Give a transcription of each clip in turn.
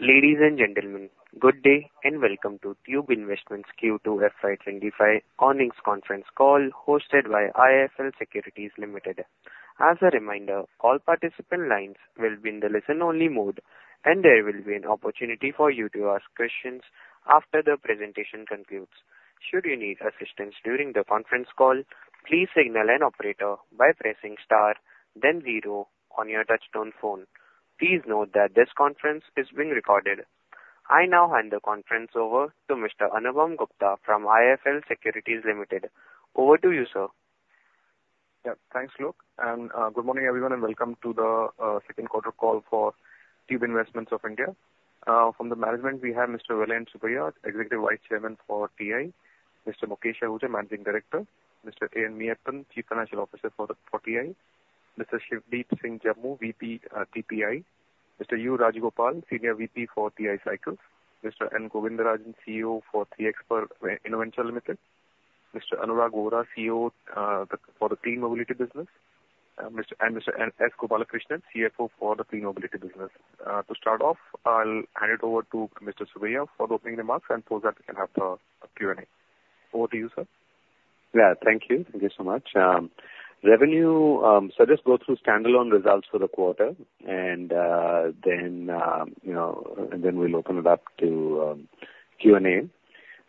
Ladies and gentlemen, good day and welcome to Tube Investments Q2 FY25 earnings conference call hosted by IIFL Securities Limited. As a reminder, all participant lines will be in the listen-only mode, and there will be an opportunity for you to ask questions after the presentation concludes. Should you need assistance during the conference call, please signal an operator by pressing star, then zero on your touch-tone phone. Please note that this conference is being recorded. I now hand the conference over to Mr. Anupam Gupta from IIFL Securities Limited. Over to you, sir. Yeah, thanks, folks. Good morning, everyone, and welcome to the second quarter call for Tube Investments of India. From the management, we have Mr. Vellayan Subbiah, Executive Vice Chairman for TI, Mr. Mukesh Ahuja, Managing Director, Mr. AN Meyyappan, Chief Financial Officer for TI, Mr. Shivdeep Singh Jamwal, VP, TPI, Mr. U Rajagopal, Senior VP for TI Cycles, Mr. N. Govindarajan, CEO for 3xperts, Mr. Anurag Vohra, CEO for the Clean Mobility Business, and Mr. S. Gopalakrishnan, CFO for the Clean Mobility Business. To start off, I'll hand it over to Mr. Subbiah for the opening remarks, and for that, we can have the Q&A. Over to you, sir. Yeah, thank you. Thank you so much. Revenue, so let's go through standalone results for the quarter, and then we'll open it up to Q&A.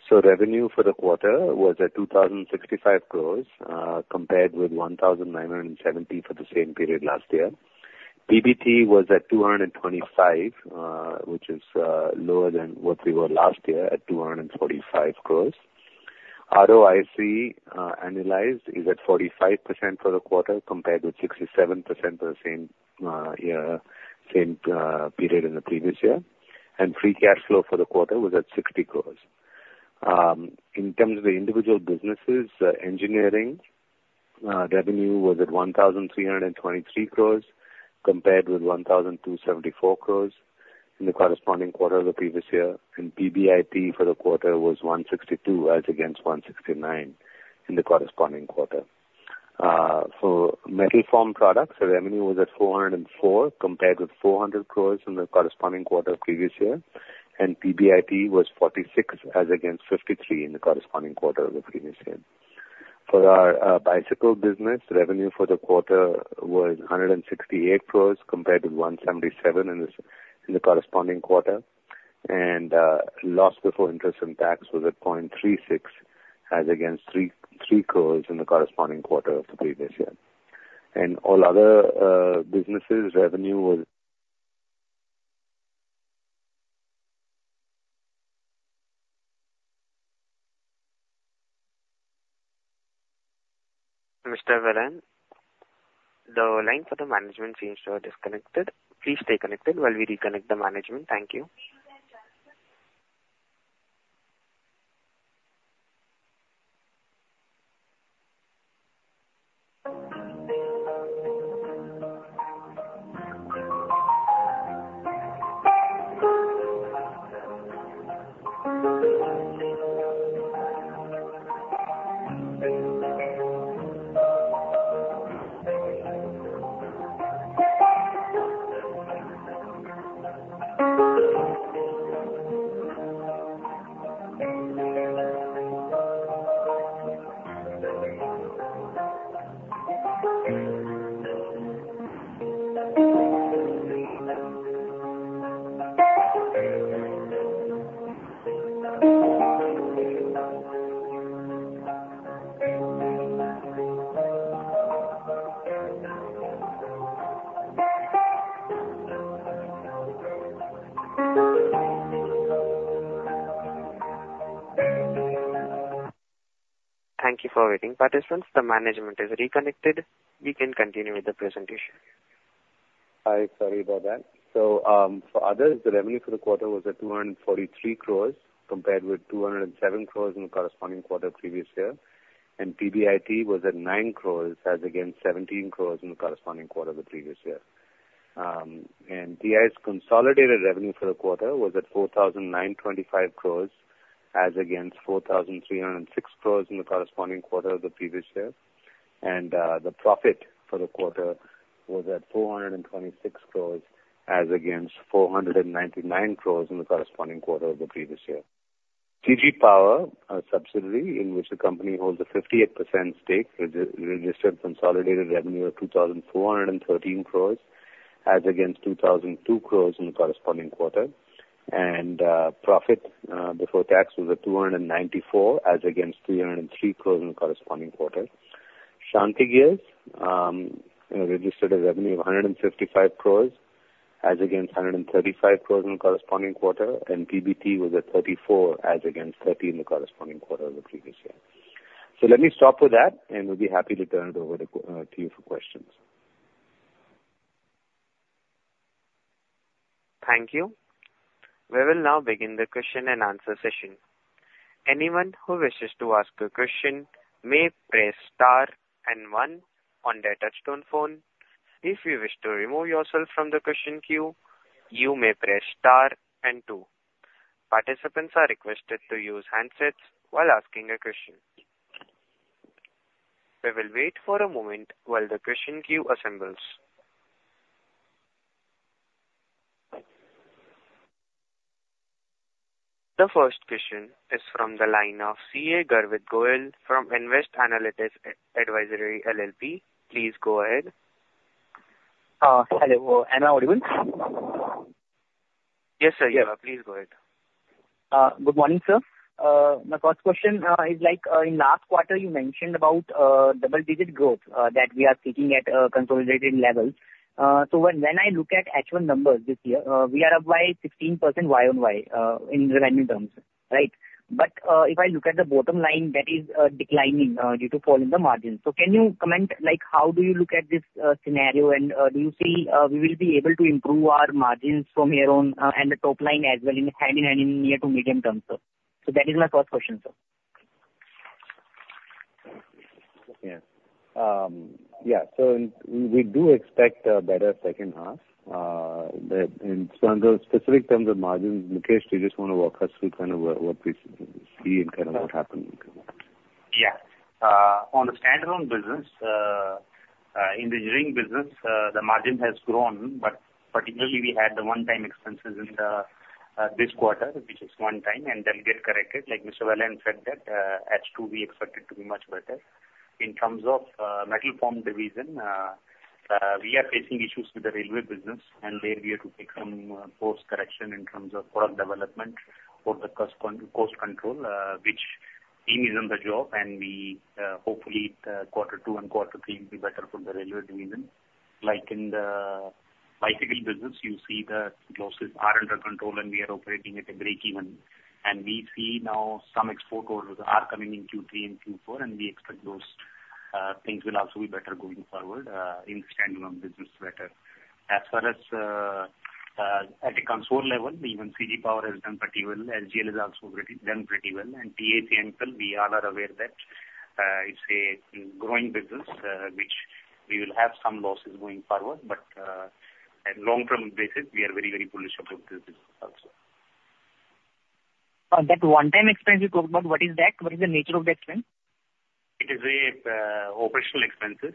So revenue for the quarter was at 2,065 crores compared with 1,970 crores for the same period last year. PBT was at 225 crores, which is lower than what we were last year at 245 crores. ROIC annualized is at 45% for the quarter compared with 67% for the same period in the previous year, and free cash flow for the quarter was at 60 crores. In terms of the individual businesses, engineering revenue was at 1,323 crores compared with 1,274 crores in the corresponding quarter of the previous year, and PBIT for the quarter was 162 crores, as against 169 crores in the corresponding quarter. For metal formed products, revenue was at 404 crores compared with 400 crores in the corresponding quarter of the previous year, and PBIT was 46, as against 53 in the corresponding quarter of the previous year. For our bicycle business, revenue for the quarter was 168 crores compared with 177 in the corresponding quarter, and loss before interest and tax was at 0.36, as against 3 crores in the corresponding quarter of the previous year. And all other businesses, revenue was. Mr. Vellayan Subbiah, the line for the management seems to have disconnected. Please stay connected while we reconnect the management. Thank you. Thank you for waiting, participants. The management is reconnected. You can continue with the presentation. Hi, sorry about that. So for others, the revenue for the quarter was at 243 crores compared with 207 crores in the corresponding quarter previous year, and PBIT was at 9 crores, as against 17 crores in the corresponding quarter of the previous year. And TI's consolidated revenue for the quarter was at 4,925 crores, as against 4,306 crores in the corresponding quarter of the previous year, and the profit for the quarter was at 426 crores, as against 499 crores in the corresponding quarter of the previous year. CG Power, a subsidiary in which the company holds a 58% stake, registered consolidated revenue of 2,413 crores, as against 2,002 crores in the corresponding quarter, and profit before tax was at 294 crores, as against 303 crores in the corresponding quarter. Shanthi Gears registered a revenue of 155 crores, as against 135 crores in the corresponding quarter, and PBT was at 34 crores, as against 30 crores in the corresponding quarter of the previous year. So let me stop with that, and we'll be happy to turn it over to you for questions. Thank you. We will now begin the Q&A session. Anyone who wishes to ask a question may press star and one on their touch-tone phone. If you wish to remove yourself from the question queue, you may press star and two. Participants are requested to use handsets while asking a question. We will wait for a moment while the question queue assembles. The first question is from the line of CA Garvit Gohil from Nvest Analytics Advisory LLP'. Please go ahead. Hello. Anupam Gupta, are you in? Yes, sir. Yeah, please go ahead. Good morning, sir. My first question is, in the last quarter, you mentioned about double-digit growth that we are seeing at a consolidated level. So when I look at actual numbers this year, we are up by 16% YoY in revenue terms, right? But if I look at the bottom line, that is declining due to fall in the margins. So can you comment, how do you look at this scenario, and do you see we will be able to improve our margins from here on and the top line as well in hand-in-hand in near to medium terms, sir? So that is my first question, sir. Yeah. So we do expect a better second-half. In terms of specific terms of margins, Mukesh Ahuja, do you just want to walk us through kind of what we see and kind of what happened? Yeah. On the standalone business, in the engineering business, the margin has grown, but particularly we had the one-time expenses in this quarter, which is one time, and they'll get corrected. Like Mr. Vellayan Subbiah said, that Q2 we expected to be much better. In terms of metal form division, we are facing issues with the railway business, and there we are to take some post-correction in terms of product development for the cost control, which team is on the job, and hopefully Q2 and Q3 will be better for the railway division. Like in the bicycle business, you see the losses are under control, and we are operating at a break-even. And we see now some export orders are coming in Q3 and Q4, and we expect those things will also be better going forward in the standalone business better. As far as at the consolidated level, even CG Power has done pretty well. Shanthi Gears has also done pretty well, and TI Clean, we all are aware that it's a growing business, which we will have some losses going forward, but at long-term basis, we are very, very bullish about this business also. That one-time expense you talked about, what is that? What is the nature of the expense? It is operational expenses,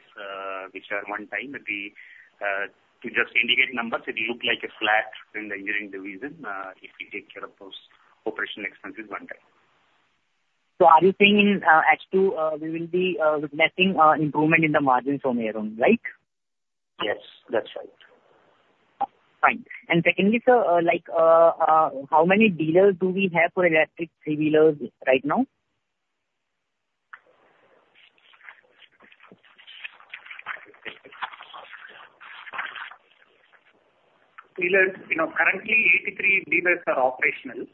which are one-time. To just indicate numbers, it looks like a flat in the engineering division if we take care of those operational expenses one-time. So are you saying in H2 we will be witnessing improvement in the margins from here on, right? Yes, that's right. Fine. And secondly, sir, how many dealers do we have for electric three-wheelers right now? Currently, 83 dealers are operational.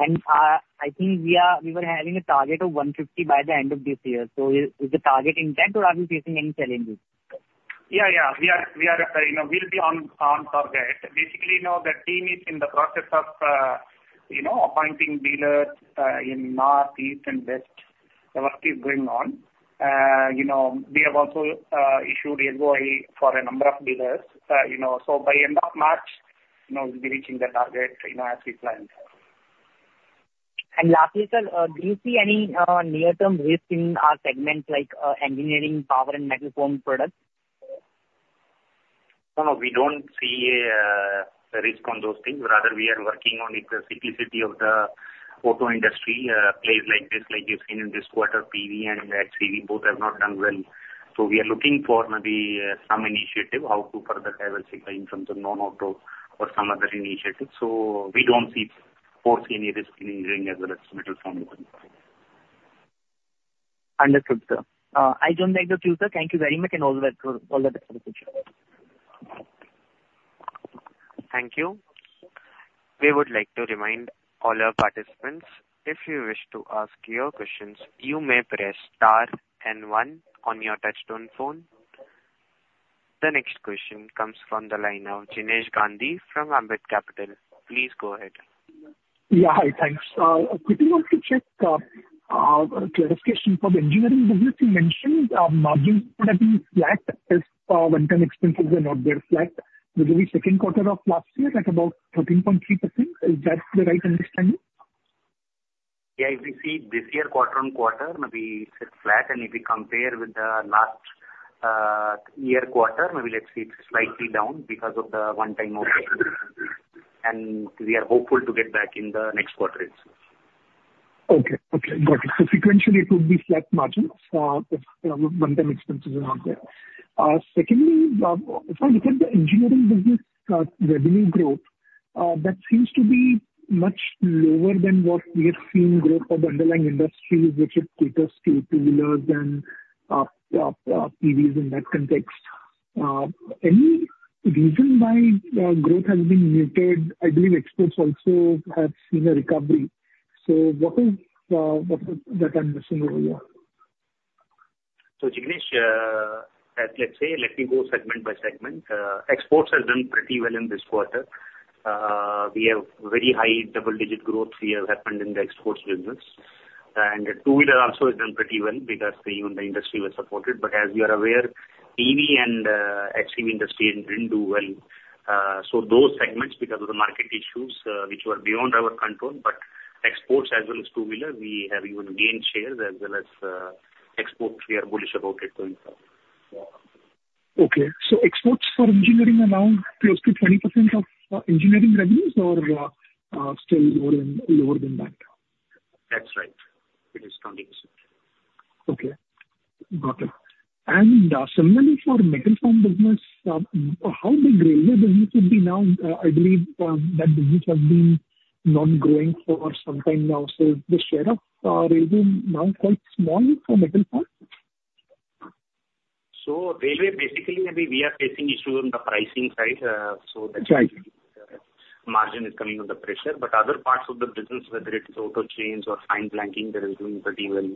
I think we were having a target of 150 by the end of this year. Is the target intact, or are we facing any challenges? Yeah, yeah. We will be on target. Basically, the team is in the process of appointing dealers in North, East, and West. The work is going on. We have also issued invoices for a number of dealers. By end of March, we'll be reaching the target as we planned. Lastly, sir, do you see any near-term risks in our segment, like engineering, power, and metal form products? No, no. We don't see a risk on those things. Rather, we are working on the simplicity of the auto industry. Plays like this, like you've seen in this quarter, PV and HCV both have not done well. So we are looking for maybe some initiative, how to further level supplying from the non-auto or some other initiative. So we don't foresee any risk in engineering as well as Metal Form. Understood, sir. I don't like the queue, sir. Thank you very much, and all the best for the future. Thank you. We would like to remind all our participants, if you wish to ask your questions, you may press star and one on your touch-tone phone. The next question comes from the line of Jinesh Gandhi from Ambit Capital. Please go ahead. Yeah, hi. Thanks. I quickly want to check a clarification for the engineering business. You mentioned margins would have been flat if one-time expenses were not there. We would be second quarter of last year at about 13.3%. Is that the right understanding? Yeah, if we see this year quarter-on-quarter, maybe it's flat, and if we compare with the last year quarter, maybe let's see it's slightly down because of the one-time opex, and we are hopeful to get back in the next quarter itself. Okay. Okay. Got it. So sequentially, it would be flat margins if one-time expenses are not there. Secondly, if I look at the engineering business revenue growth, that seems to be much lower than what we have seen growth for the underlying industries, which it caters to two-wheelers and PVs in that context. Any reason why growth has been muted? I believe exports also have seen a recovery. So what is that I'm missing over here? So, Jinesh Gandhi, let's say, let me go segment by segment. Exports have done pretty well in this quarter. We have very high-double-digit growth here happened in the exports business, and two-wheeler also has done pretty well because the industry was supported, but as you are aware, PV and HCV industry didn't do well, so those segments, because of the market issues, which were beyond our control, but exports as well as two-wheeler, we have even gained shares as well as exports. We are bullish about it going forward. Okay. So exports for engineering are now close to 20% of engineering revenues, or still lower than that? That's right. It is 20%. Okay. Got it. And similarly for metal form business, how big railway business would be now? I believe that business has been not growing for some time now. So the share of railway now quite small for metal form? So, railway, basically, I mean, we are facing issues on the pricing side. So that's why margin is coming under pressure. But other parts of the business, whether it's auto chains or fine blanking, they're doing pretty well.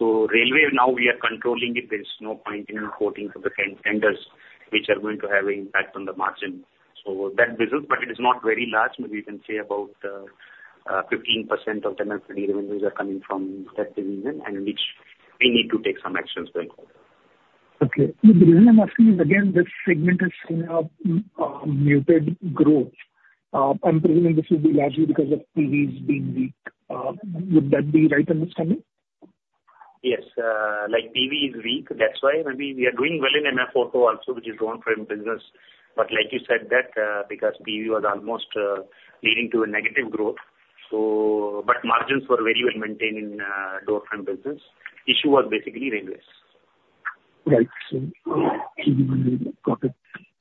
So, railway, now we are controlling it. There's no point in quoting for the tenders, which are going to have an impact on the margin. So that business, but it is not very large. Maybe you can say about 15% of MFD revenues are coming from that division, and we need to take some actions going forward. Okay. The reason I'm asking is, again, this segment has seen a muted growth. I'm presuming this would be largely because of PVs being weak. Would that be right understanding? Yes. Like PV is weak. That's why maybe we are doing well in MF Auto also, which is door frame business. But like you said, that's because PV was almost leading to a negative growth. But margins were very well maintained in door frame business. Issue was basically railways. Right. Got it.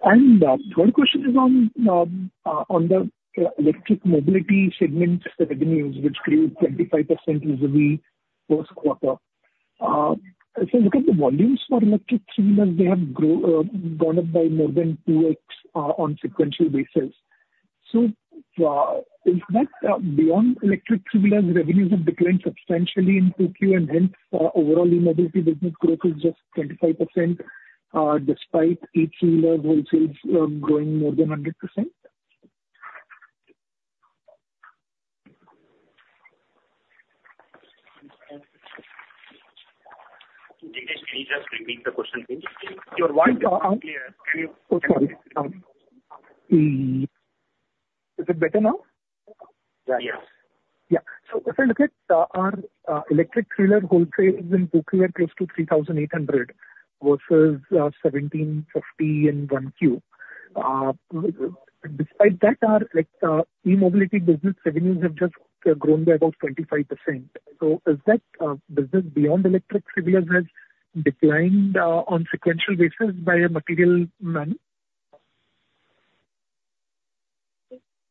And third question is on the electric mobility segment revenues, which grew 25% first quarter. If I look at the volumes for electric three-wheelers, they have gone up by more than 2x on sequential basis. So is that beyond electric three-wheelers, revenues have declined substantially in Q2, and hence overall e-mobility business growth is just 25% despite e-two-wheelers wholesales growing more than 100%? Jinesh, can you just repeat the question, please? Your voice is not clear. Can you? Oh, sorry. Is it better now? Yes. Yeah. So if I look at our electric three-wheeler wholesales in Q2, we are close to 3,800 versus 1,750 in Q1. Despite that, our e-mobility business revenues have just grown by about 25%. So is that business beyond electric three-wheelers has declined on sequential basis by a material amount?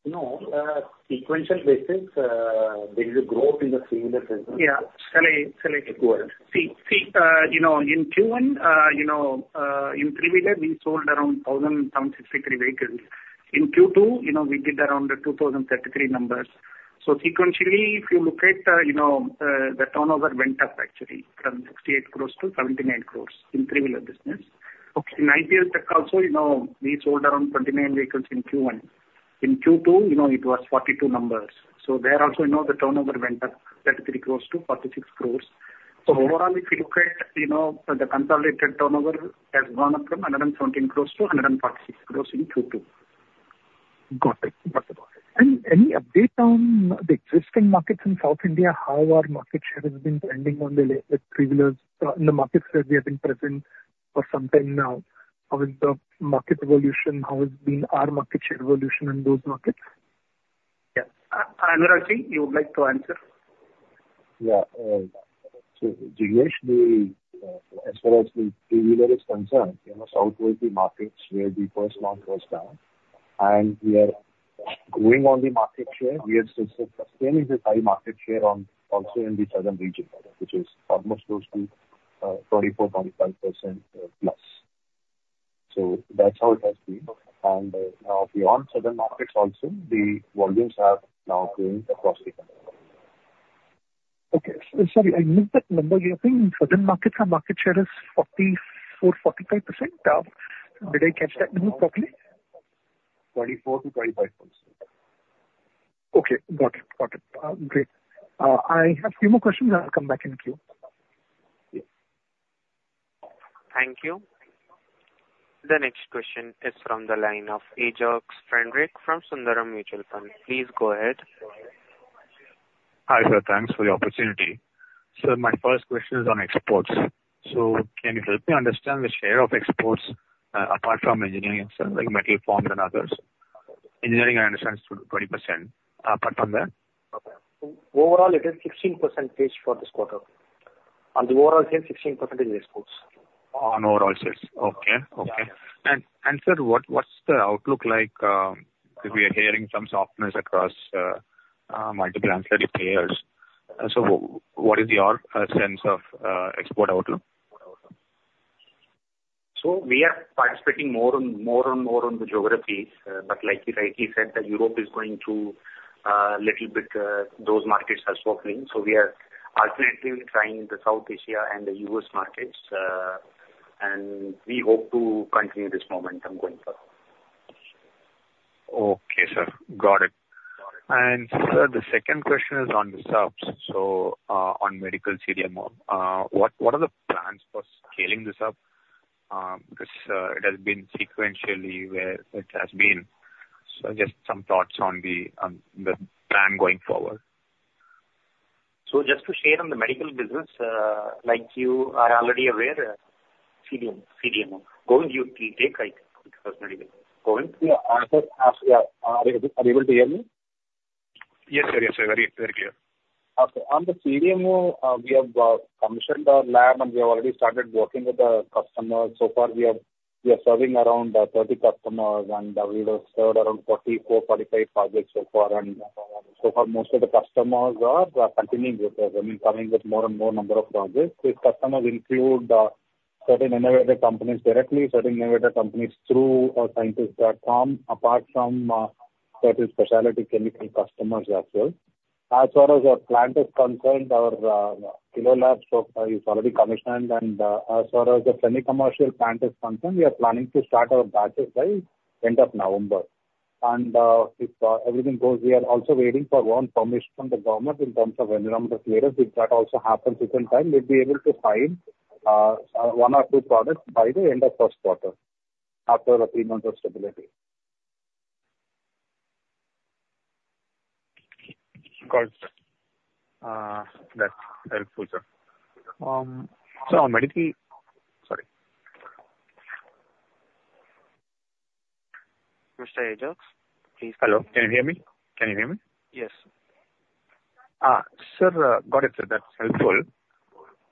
No. Sequential basis, there is a growth in the three-wheeler business. Yeah. Selected. See, in Q1, in three-wheeler, we sold around 1,063 vehicles. In Q2, we did around 2,033 numbers. So sequentially, if you look at the turnover, it went up, actually, from 68 crores to 79 crores in three-wheeler business. In IPLTech also, we sold around 29 vehicles in Q1. In Q2, it was 42 vehicles numbers. So there also, the turnover went up 33 crores to 46 crores. So overall, if you look at the consolidated turnover, it has gone up from 117 crores to 146 crores in Q2. Got it. Any update on the existing markets in South India? How are market shares been trending on the three-wheelers in the markets where we have been present for some time now? How is the market evolution? How has been our market share evolution in those markets? Anurag ji you would like to answer? Yeah. Jinesh Gandhi, as far as the three-wheeler is concerned, in the southern markets where the first month was down, and we are growing our market share. We are still sustaining the high market share also in the southern region, which is almost close to 24%-25% plus. So that's how it has been, and beyond southern markets also, the volumes are now growing across the country. Okay. Sorry, I missed that number. You're saying southern markets have market share is 44%-45%? Did I catch that number properly? 24%-25%. Okay. Got it. Got it. Great. I have a few more questions. I'll come back in queue. Thank you. The next question is from the line of Anoj Frederick from Sundaram Mutual Fund. Please go ahead. Hi, sir. Thanks for the opportunity. Sir, my first question is on exports. So can you help me understand the share of exports apart from engineering, sir, like metal forms and others? Engineering, I understand, is 20%. Apart from that? Overall, it is 16% sales for this quarter. On the overall sales, 16% is exports. On overall sales. And sir, what's the outlook like if we are hearing some softness across multiple ancillary players? So what is your sense of export outlook? So we are participating more and more on the geography. But, like you said, Europe is going through a little bit. Those markets are softening. So we are alternatively trying the South Asia and the U.S. markets. And we hope to continue this momentum going forward. Okay, sir. Got it. And sir, the second question is on the subs. So on CDMO, what are the plans for scaling this up? Because it has been sequentially where it has been. So just some thoughts on the plan going forward. Just to share on the medical business, like you are already aware, CDMO, going due to take it because medical. Going? Yeah. Are you able to hear me? Yes, sir. Yes, sir. Very clear. Okay. On the CDMO, we have commissioned our lab, and we have already started working with the customers. So far, we are serving around 30 customers, and we've served around 44, 45 projects so far. And so far, most of the customers are continuing with us, I mean, coming with more and more number of projects. These customers include certain innovator companies directly, certain innovator companies through Scientist.com, apart from certain specialty chemical customers as well. As far as our plant is concerned, our Pilot Lab is already commissioned. And as far as the semi-commercial plant is concerned, we are planning to start our batches by end of November. And if everything goes, we are also waiting for one permission from the government in terms of environmental clearance. If that also happens within time, we'll be able to find one or two products by the end of first quarter after a few months of stability. Got it, sir. That's helpful, sir. So on medical, sorry. Mr. Anoj Frederick, please go ahead. Hello. Can you hear me? Can you hear me? Yes. Sir, got it. That's helpful.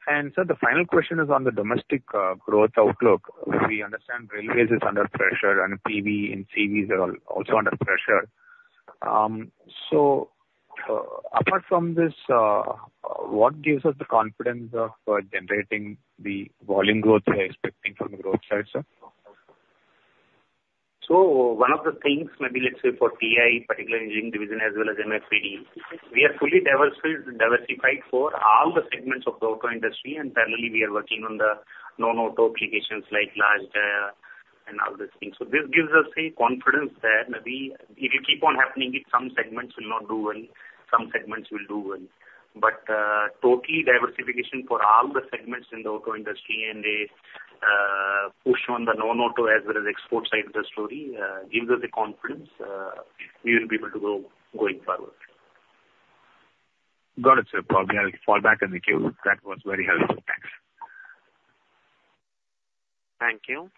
And sir, the final question is on the domestic growth outlook. We understand railways is under pressure, and PV and CVs are also under pressure. So apart from this, what gives us the confidence of generating the volume growth we are expecting from the growth side, sir? So one of the things, maybe let's say for TI, particularly engineering division, as well as MFD, we are fully diversified for all the segments of the auto industry. And parallelly, we are working on the non-auto applications like large and all these things. So this gives us a confidence that maybe it will keep on happening. Some segments will not do well. Some segments will do well. But total diversification for all the segments in the auto industry and the push on the non-auto as well as export side of the story gives us a confidence we will be able to grow going forward. Got it, sir. We are back in the queue. That was very helpful. Thanks. Thank you.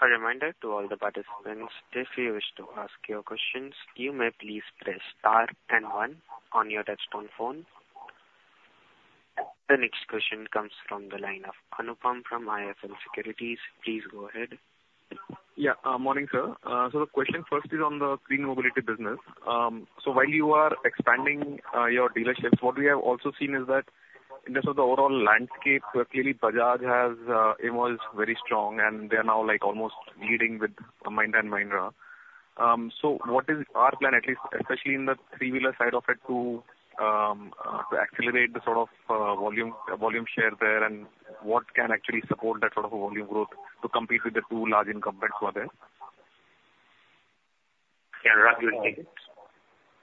A reminder to all the participants, if you wish to ask your questions, you may please press star and one on your touch-tone phone. The next question comes from the line of Anupam Gupta from IIFL Securities. Please go ahead. Yeah. Morning, sir. So the question first is on the clean mobility business. So while you are expanding your dealerships, what we have also seen is that in terms of the overall landscape, clearly Bajaj has emerged very strong, and they are now almost leading with Mahindra and Mahindra. So what is our plan, at least, especially in the three-wheeler side of it, to accelerate the sort of volume share there? And what can actually support that sort of volume growth to compete with the two large incumbents who are there? Can you repeat?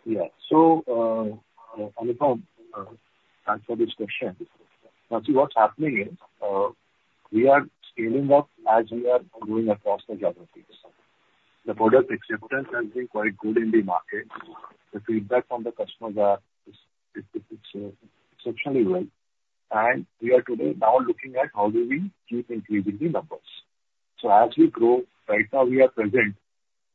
Yeah. So Anupam Gupta, thanks for this question. See, what's happening is we are scaling up as we are going across the geographies. The product acceptance has been quite good in the market. The feedback from the customers is exceptionally well. And we are today now looking at how do we keep increasing the numbers. So as we grow, right now we are present,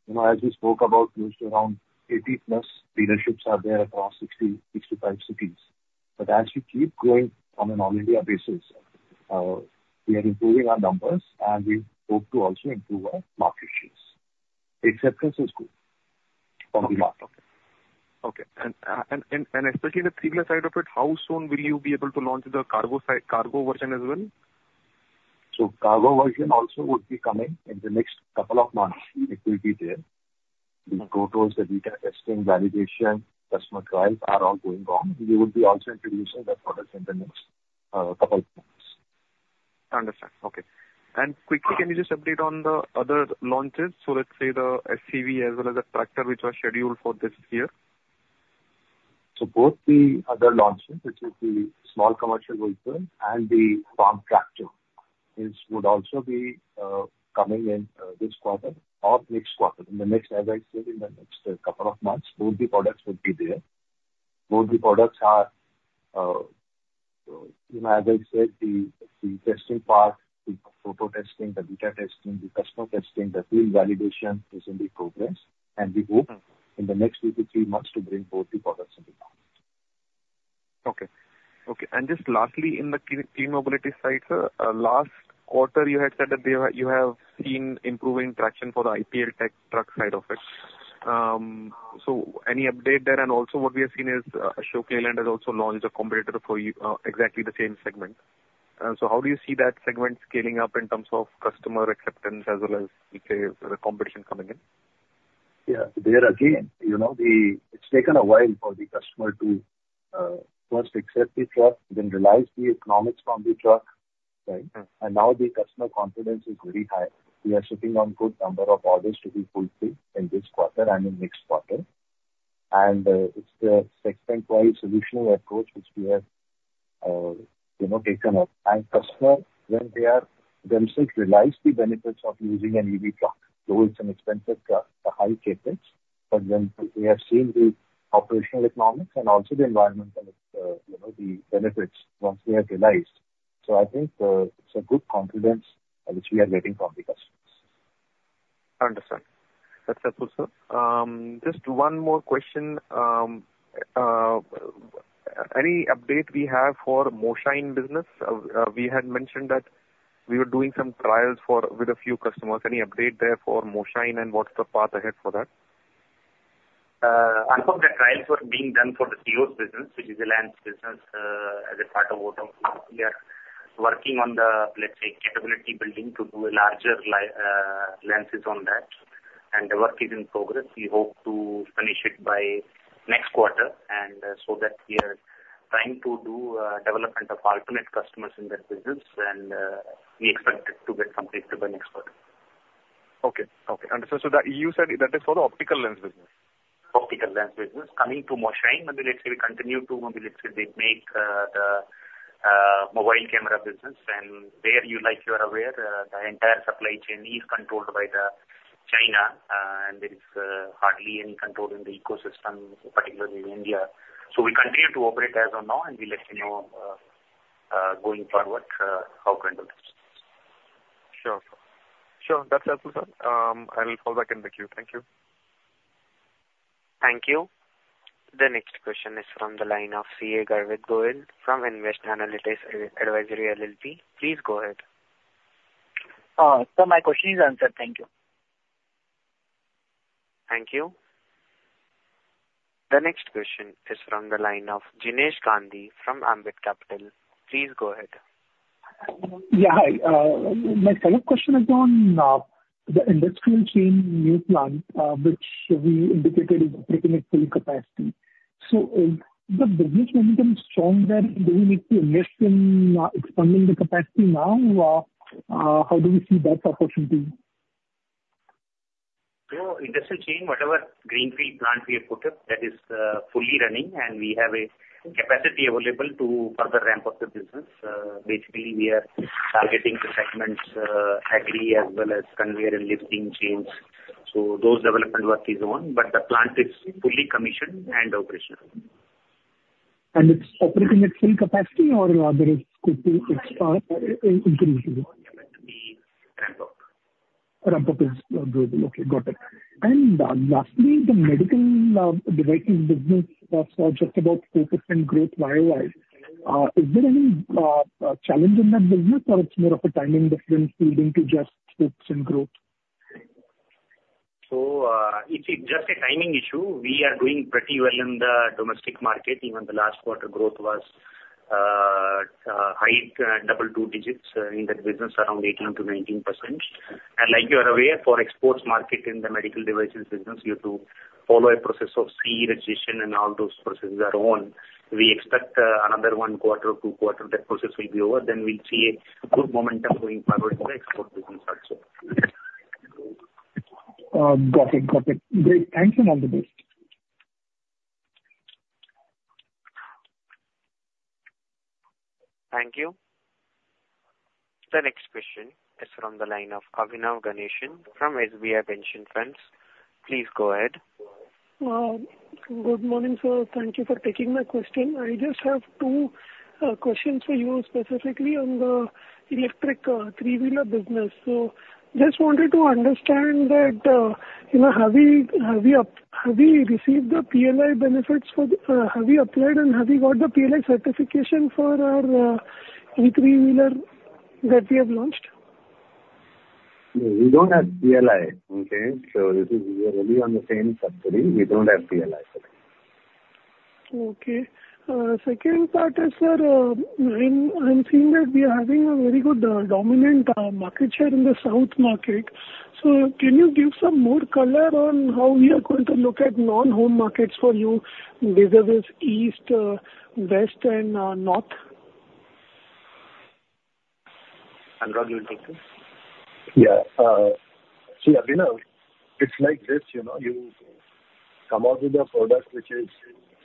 as we spoke about, close to around 80+ dealerships are there across 60, 65 cities. But as we keep growing on an all-India basis, we are improving our numbers, and we hope to also improve our market shares. Acceptance is good on the market. Okay, and especially the three-wheeler side of it, how soon will you be able to launch the cargo version as well? So cargo version also would be coming in the next couple of months. It will be there. The prototypes that we are testing, validation, customer trials are all going on. We will be also introducing the products in the next couple of months. Understood. Okay. And quickly, can you just update on the other launches? So let's say the SCV as well as the tractor, which are scheduled for this year. Both the other launches, which is the small commercial vehicle and the farm tractor, would also be coming in this quarter or next quarter. In the next, as I said, in the next couple of months, both the products would be there. Both the products are, as I said, the testing part, the photo testing, the beta testing, the customer testing, the field validation is in the progress. We hope in the next two to three months to bring both the products in the market. Okay. Okay. And just lastly, in the clean mobility side, sir, last quarter, you had said that you have seen improving traction for the IPLTech truck side of it. So any update there? And also what we have seen is Ashok Leyland has also launched a competitor for exactly the same segment. So how do you see that segment scaling up in terms of customer acceptance as well as, let's say, the competition coming in? Yeah. There again, it's taken a while for the customer to first accept the truck, then realize the economics from the truck. And now the customer confidence is very high. We are sitting on a good number of orders to be fulfilled in this quarter and in next quarter. And it's the segment-wise solutional approach which we have taken up. And customers, when they themselves realize the benefits of using an EV truck, though it's an expensive truck, a high CapEx, but then we have seen the operational economics and also the environmental benefits once we have realized. So I think it's a good confidence which we are getting from the customers. Understood. That's helpful, sir. Just one more question. Any update we have for Moshine business? We had mentioned that we were doing some trials with a few customers. Any update there for Moshine and what's the path ahead for that? I thought the trials were being done for the CMOS business, which is a lens business as a part of Auto. We are working on the, let's say, capability building to do larger lenses on that. And the work is in progress. We hope to finish it by next quarter. And so that we are trying to do development of alternate customers in that business. And we expect it to get completed by next quarter. Okay. Okay. Understood. So you said that is for the optical lens business? Optical lens business coming to Moshine. Maybe let's say they make the mobile camera business. And there, you are aware, the entire supply chain is controlled by China. And there is hardly any control in the ecosystem, particularly in India. So we continue to operate as of now, and we'll let you know going forward how to handle this. Sure. Sure. That's helpful, sir. I'll fall back in the queue. Thank you. Thank you. The next question is from the line of CA Garvit Gohil from Nvest Analytics Advisory LLP'. Please go ahead. Sir, my question is answered. Thank you. Thank you. The next question is from the line of Jinesh Gandhi from Ambit Capital. Please go ahead. Yeah. My second question is on the industrial chains new plant, which we indicated is reaching its full capacity. So is the business momentum strong there? Do we need to invest in expanding the capacity now? How do we see that opportunity? So industrial chain, whatever greenfield plant we have put up, that is fully running, and we have a capacity available to further ramp up the business. Basically, we are targeting the segments, Agri as well as conveyor and lifting chains. So those development work is on. But the plant is fully commissioned and operational. And it's operating at full capacity or there is going to increase? Ramp-up. Ramp up is going to be okay. Got it. And lastly, the medical devices business that's just about 4% growth YoY. Is there any challenge in that business, or it's more of a timing difference leading to just 4% growth? So it's just a timing issue. We are doing pretty well in the domestic market. Even the last quarter growth was high double two digits in that business, around 18%-19%. And like you are aware, for exports market in the medical devices business, you have to follow a process of CE registration and all those processes are on. We expect another one quarter or two quarters, that process will be over. Then we'll see a good momentum going forward in the export business also. Got it. Got it. Great. Thanks and all the best. Thank you. The next question is from the line of Abhinav Ganeshan from SBI Pension Funds. Please go ahead. Good morning, sir. Thank you for taking my question. I just have two questions for you specifically on the electric three-wheeler business. So just wanted to understand, have we received the PLI benefits or have we applied and have we got the PLI certification for our e3W that we have launched? We don't have PLI, okay? So this is really on the same subsidy. We don't have PLI for it. Okay. Second part is, sir, I'm seeing that we are having a very good dominant market share in the south market. So can you give some more color on how we are going to look at non-home markets for you, vis-a-vis east, west, and north? Anurag, you will take this. Yeah. See, Abhinav Ganeshan, it's like this. You come out with a product which is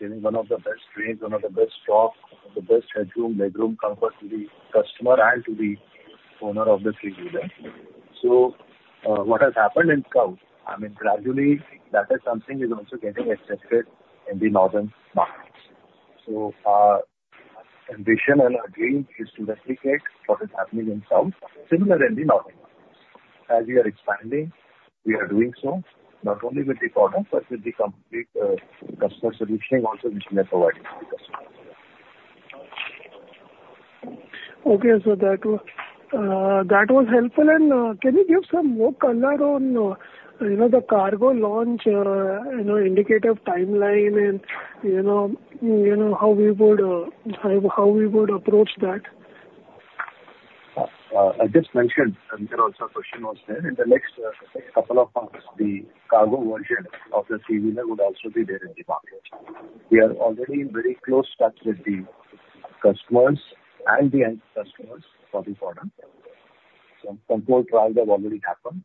giving one of the best grades, one of the best stock, the best headroom, legroom comfort to the customer and to the owner of the three-wheeler. So what has happened in South, I mean, gradually that is something is also getting accepted in the Northern markets. So our ambition and our dream is to replicate what is happening in South, similar in the Northern markets. As we are expanding, we are doing so not only with the product, but with the complete customer solutioning also which we are providing to the customers. Okay, sir. That was helpful. And can you give some more color on the cargo launch indicative timeline and how we would approach that? I just mentioned another also question was there in the next couple of months. The cargo version of the three-wheeler would also be there in the market. We are already very close touch with the customers and the end customers for the product. Some control trials have already happened,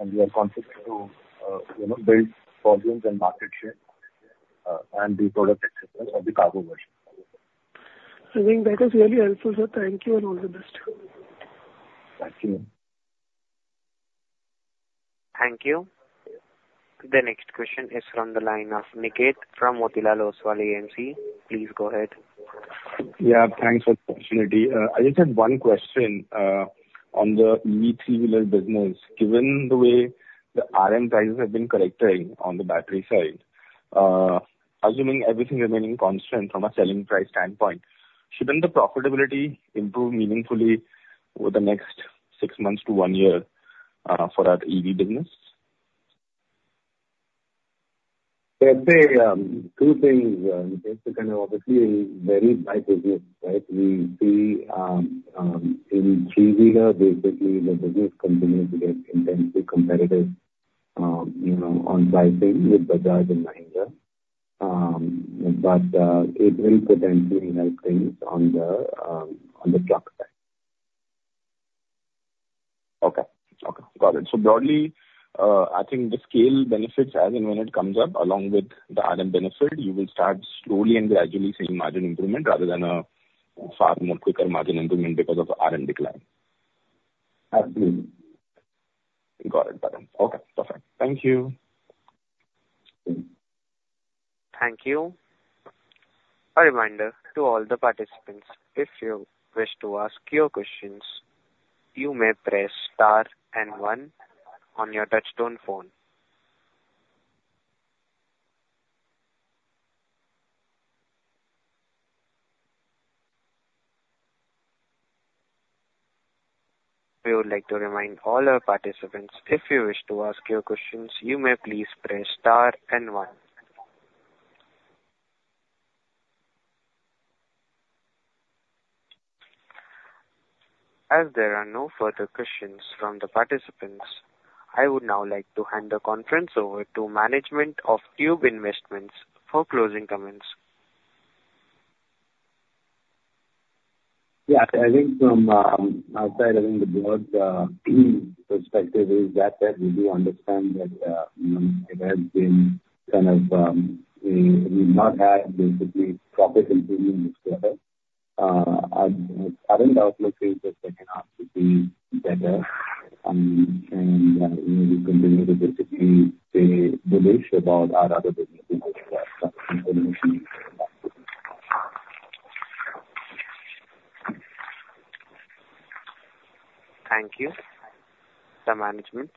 and we are confident to build volumes and market share and the product acceptance of the cargo version. I think that is really helpful, sir. Thank you and all the best. Thank you. Thank you. The next question is from the line of Niket Shah from Motilal Oswal AMC. Please go ahead. Yeah. Thanks for the opportunity. I just had one question on the e3W business. Given the way the RM prices have been correcting on the battery side, assuming everything remaining constant from a selling price standpoint, shouldn't the profitability improve meaningfully over the next six months to one year for our EV business? I'd say two things. Niket Shah is obviously a very bright business, right? We see in three-wheeler, basically the business continues to get intensely competitive on pricing with Bajaj and Mahindra. But it will potentially help things on the truck side. Okay. Okay. Got it. So broadly, I think the scale benefits as in when it comes up, along with the RM benefit, you will start slowly and gradually seeing margin improvement rather than a far more quicker margin improvement because of RM decline. Absolutely. Got it, button. Okay. Perfect. Thank you. Thank you. A reminder to all the participants. If you wish to ask your questions, you may press star and one on your touch-tone phone. We would like to remind all our participants, if you wish to ask your questions, you may please press star and one. As there are no further questions from the participants, I would now like to hand the conference over to management of Tube Investments for closing comments. Yeah. I think from outside, I think the broad perspective is that we do understand that it has been kind of, we've not had basically profit improvement this quarter. Our current outlook is that there can have to be better, and we continue to basically stay bullish about our other businesses as well. Thank you. The management.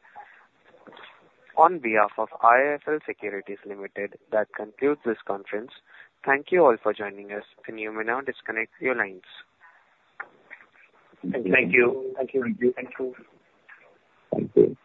On behalf of IIFL Securities Limited, that concludes this conference. Thank you all for joining us, and you may now disconnect your lines. Thank you. Thank you. Thank you. Thank you. Thank you.